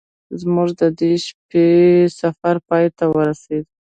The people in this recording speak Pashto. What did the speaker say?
زموږ د دې شپې سفر پای ته ورسید.